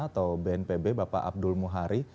atau bnpb bapak abdul muhari